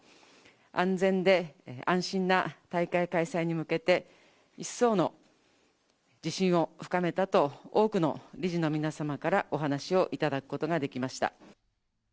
安全で安心な大会開催に向けて、一層の自信を深めたと、多くの理事の皆様からお話を頂くことができました。